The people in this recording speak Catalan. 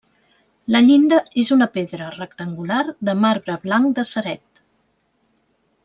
La llinda és una pedra rectangular de marbre blanc de Ceret.